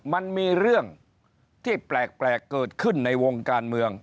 มันมีเรื่องที่แปลกเกิดขึ้นในวงการเมือง